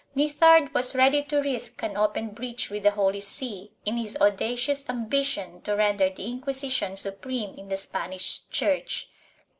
Nithard was ready to risk an open breach with the Holy See in his audacious ambition to render the Inquisition supreme in the Spanish Church.